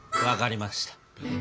分かりました。